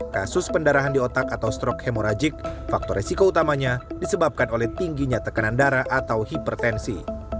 kasus pendarahan di otak atau strok hemorajik faktor resiko utamanya disebabkan oleh tingginya tekanan darah atau hipertensi